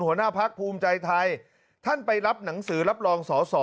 หัวหน้าพักภูมิใจไทยท่านไปรับหนังสือรับรองสอสอ